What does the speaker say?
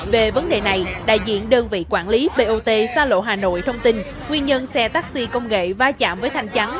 về vấn đề này đại diện đơn vị quản lý bot xa lộ hà nội thông tin nguyên nhân xe taxi công nghệ va chạm với thanh chắn